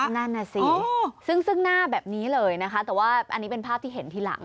นั่นน่ะสิซึ่งหน้าแบบนี้เลยนะคะแต่ว่าอันนี้เป็นภาพที่เห็นทีหลัง